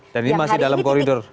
ini masih dalam koridor